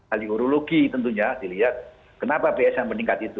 alihurologi tentunya dilihat kenapa psa meningkat itu